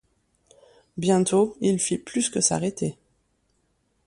Bientôt, il fit plus que s’arrêter.